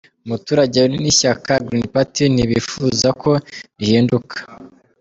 Umuturage n’ishyka Green Party ntibifuza ko rihinduka.